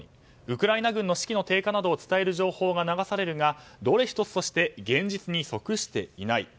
ウクライナ軍の士気の低下などを伝える情報が流されるがどれ１つとして現実に即していない。